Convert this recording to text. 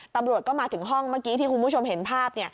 ตำรวจก็มาถึงห้องเมื่อกี้ที่คุณผู้ชมเห็นภาพ